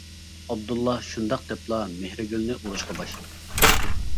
-ئابدۇللا شۇنداق دەپلا مېھرىگۈلنى ئۇرۇشقا باشلىدى.